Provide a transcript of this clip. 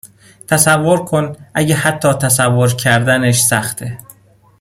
تصور کن اگه حتی تصور کردنش سخته